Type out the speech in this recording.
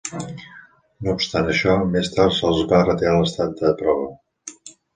No obstant això, més tard se'ls va retirar l'estat de prova.